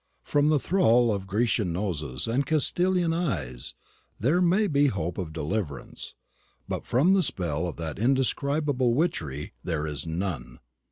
From the thrall of Grecian noses and Castilian eyes there may be hope of deliverance, but from the spell of that indescribable witchery there is none.